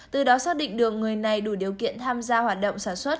từ đó xác định được người này đủ điều kiện tham gia hoạt động sản xuất